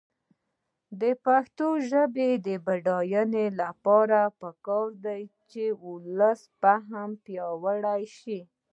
د پښتو ژبې د بډاینې لپاره پکار ده چې ولسي فهم پیاوړی شي.